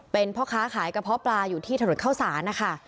เป็นพ่อค้าขายกระเพาะปลาอยู่ที่ถนนเข้าสารนะคะ